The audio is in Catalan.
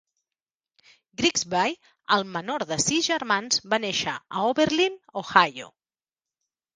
Grigsby, el menor de sis germans, va néixer a Oberlin, Ohio.